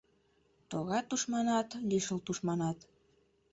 Тора тушманат, лишыл тушманат